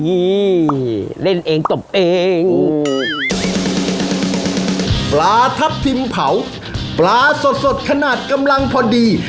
นี่เล่นเองตบเองปลาทับทิมเผาปลาสดสดขนาดกำลังพอดี